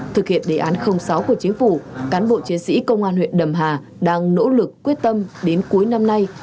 thực hiện đề án sáu của chính phủ cán bộ chiến sĩ công an huyện đầm hà đang nỗ lực quyết tâm đến cuối năm nay